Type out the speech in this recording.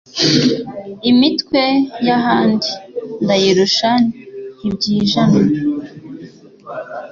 Imitwe y'ahandi ndayirusha ntibyijanwa.